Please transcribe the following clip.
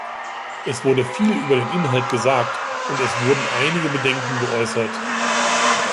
Es wurde viel über den Inhalt gesagt, und es wurden einige Bedenken geäußert.